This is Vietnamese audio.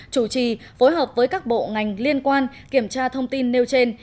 chủ trì phối hợp với các bộ ngành liên quan kiểm tra thông tin nêu trên